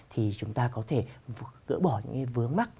thì chúng ta có thể gỡ bỏ những cái vướng mắt